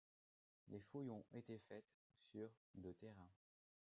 Les fouilles ont été faites sur de terrain.